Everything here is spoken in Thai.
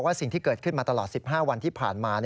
สิ่งที่เกิดขึ้นมาตลอด๑๕วันที่ผ่านมา